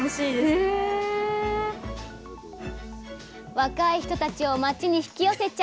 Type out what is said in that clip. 若い人たちを町に引き寄せちゃう。